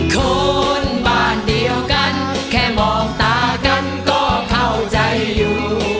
คนบ้านเดียวกันแค่มองตากันก็เข้าใจอยู่